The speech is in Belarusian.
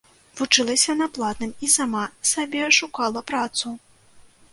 Вучылася на платным і сама сабе шукала працу.